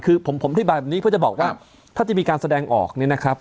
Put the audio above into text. คือผมอธิบายแบบนี้เพื่อจะบอกว่าถ้าจะมีการแสดงออกเนี่ยนะครับ